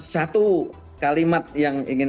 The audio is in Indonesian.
satu kalimat yang ingin